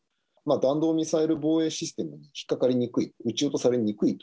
弾道ミサイル防衛システムに引っ掛かりにくい、撃ち落とされにくいと。